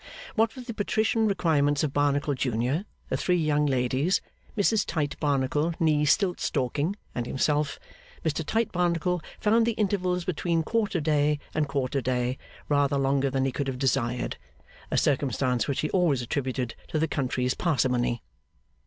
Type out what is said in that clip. What with the patrician requirements of Barnacle junior, the three young ladies, Mrs Tite Barnacle nee Stiltstalking, and himself, Mr Tite Barnacle found the intervals between quarter day and quarter day rather longer than he could have desired; a circumstance which he always attributed to the country's parsimony.